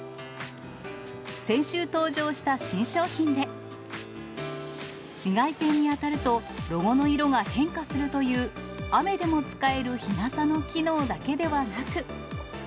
先週登場した新商品で、紫外線に当たるとロゴの色が変化するという、雨でも使える日傘の機能だけでなく。